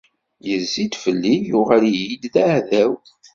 Izzi-d fell-i, yuɣal-iyi-d d aɛdaw.